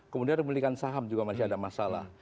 kemudian belikan saham juga masih ada masalah